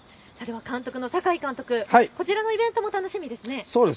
監督の酒井監督、こちらのイベントも楽しみですね。